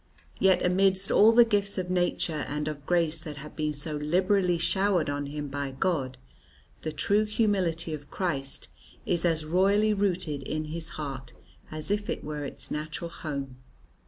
Yet amidst all the gifts of nature and of grace that have been so liberally showered on him by God, the true humility of Christ is as royally rooted in his heart as if it were its natural home."